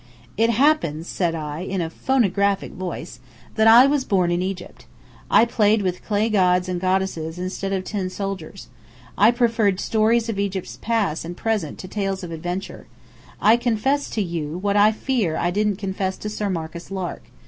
"It happens," said I, in a phonographic voice, "that I was born in Egypt. I played with clay gods and goddesses instead of tin soldiers. I preferred stories of Egypt's past and present to tales of adventure. I confess to you what I fear I didn't confess to Sir Marcus Lark.